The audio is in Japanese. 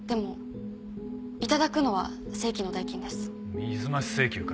水増し請求か。